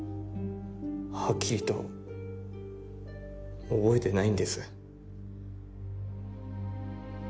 はっきりと覚えてないんです。